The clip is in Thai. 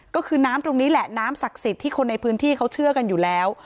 ก็คือน้ำตรงนี้แหละน้ำศักดิ์สิทธิ์ที่คนในพื้นที่เขาเชื่อกันอยู่แล้ว